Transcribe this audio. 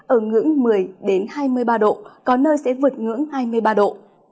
ở ngưỡng một mươi hai mươi ba độ có nơi sẽ vượt ngưỡng hai mươi ba độ